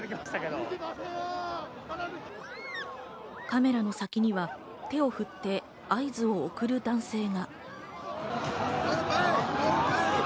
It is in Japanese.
カメラの先には手を振って合図を送る男性が。